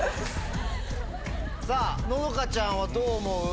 さぁのどかちゃんはどう思う？